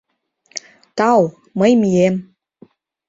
— Тау, мый мием.